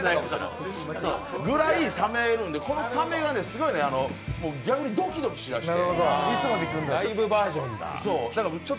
ぐらいためるんでこのためがすごい逆にドキドキしだして。